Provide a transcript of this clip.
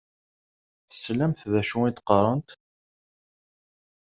Teslamt d acu i d-qqaṛent?